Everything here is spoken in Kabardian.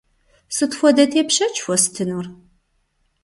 Сыт хуэдэ тепщэч уэстынур?